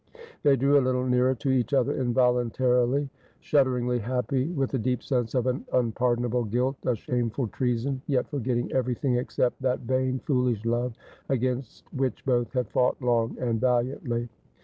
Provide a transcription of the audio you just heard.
They drew a little nearer to each other involuntarily, shudderingly happy — with the deep sense of an unpardonable guilt, a shameful treason ; yet forgetting everything except that vain foolish love against which both had fought long and valiantly.